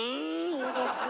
いいですね。